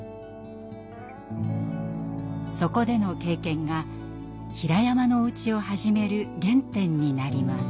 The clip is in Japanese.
そこでの経験がひらやまのお家を始める原点になります。